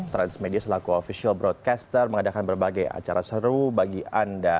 transmedia selaku official broadcaster mengadakan berbagai acara seru bagi anda